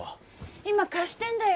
今貸してんだよ